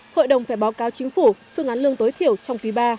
hội đồng phải báo cáo chính phủ phương án lương tối thiểu trong quý ba